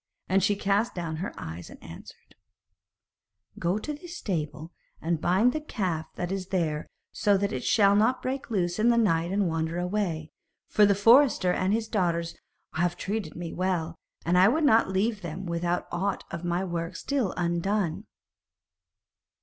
And she cast down her eyes, and answered: 'Go to the stable, and bind the calf that is there so that it shall not break loose in the night and wander away, for the forester and his daughters have treated me well, and I would not leave them with aught of my work still undone.'